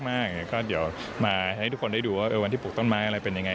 แล้วก็เดี๋ยวมาให้ทุกคนได้ดูว่าวันที่ปลูกต้นไม้อะไรเป็นยังไง